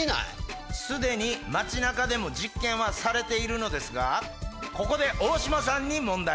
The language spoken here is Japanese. すでに街中でも実験はされているのですがここでオオシマさんに問題！